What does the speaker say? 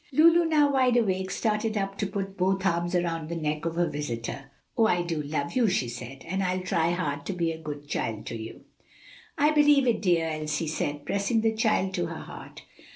Lulu, now wide awake, started up to put both arms round the neck of her visitor. "Oh, I do love you!" she said, "and I'll try hard to be a good child to you." "I believe it, dear," Elsie said, pressing the child to her heart.